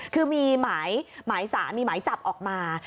คือมีหมายสารมีหมายจับออกมา